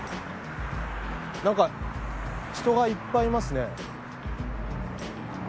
なんか人がいっぱいいますね。